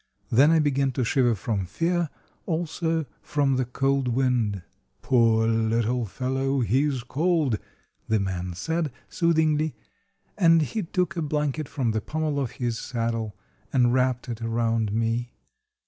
Then I began to shiver from fear; also from the cold wind. "Poor little fellow—he is cold," the man said, soothingly, and he took a blanket from the pommel of his saddle and wrapped it around me.